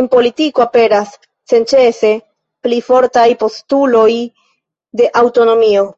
En politiko aperas senĉese pli fortaj postuloj de aŭtonomio.